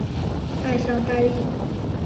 埃尚代利。